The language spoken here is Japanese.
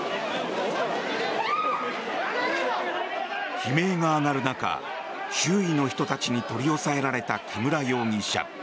悲鳴が上がる中周囲の人たちに取り押さえられた木村容疑者。